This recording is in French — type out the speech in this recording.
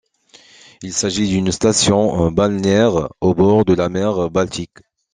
Il s’agit d’une station balnéaire au bord de la mer Baltique.